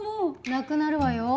なくなるわよ。